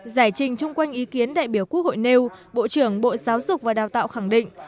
giải trình chung quanh ý kiến đại biểu quốc hội nêu bộ trưởng bộ giáo dục và đào tạo khẳng định